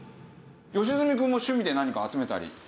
良純くんも趣味で何か集めたり？